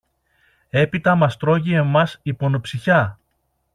Έπειτα μας τρώγει εμάς η πονοψυχιά!